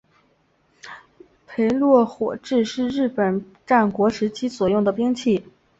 焙烙火矢是日本战国时代所使用兵器。